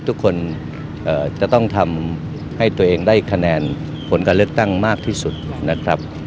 ทุกคนจะต้องทำให้ตัวเองได้คะแนนผลการเลือกตั้งมากที่สุดนะครับ